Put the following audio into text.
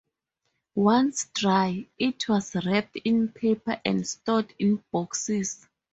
Once dry, it was wrapped in paper and stored in boxes.